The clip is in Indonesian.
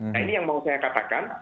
nah ini yang mau saya katakan